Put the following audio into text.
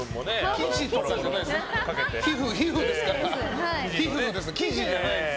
生地とかじゃないです。